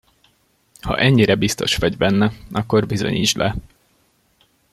Ha ennyire biztos vagy benne, akkor bizonyítsd be.